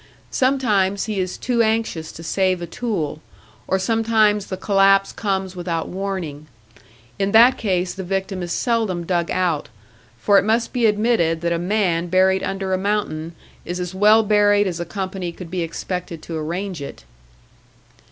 Sometimes he is too anxious to save a tool; or sometimes the collapse comes without warning. In that case the victim is seldom dug out; for it must be admitted that a man buried under a mountain is as well buried as a company could be expected to arrange it.